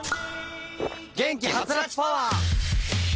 元気ハツラツパワー！